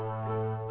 kamu juga suka